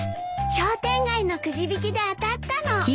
商店街のくじ引きで当たったの。